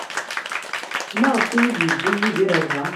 Maɣef ay iyi-d-yewwi Yidir ɣer da?